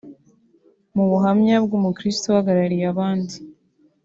Mu buhamya bw’umukirisitu uhagarariye abandi